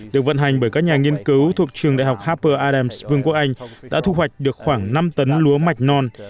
được vận hành bởi các nhà nghiên cứu thuộc trường đại học happer adems vương quốc anh đã thu hoạch được khoảng năm tấn lúa mạch non